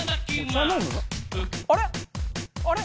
あれ？